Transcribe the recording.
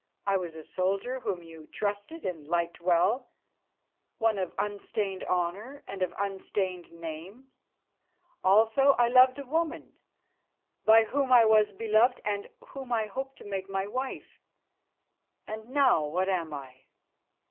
I was a soldier whom you trusted and liked well, one of unstained honour and of unstained name. Also I loved a woman, by whom I was beloved and whom I hoped to make my wife. And now what am I?